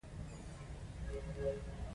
حجره د ژوند د جوړښت بنسټیز واحد دی